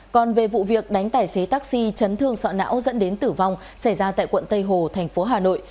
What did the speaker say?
còn về vụ việc đánh tài xế taxi chấn thương sọ não dẫn đến tử vong xảy ra tại quận tây hồ thành phố hà nội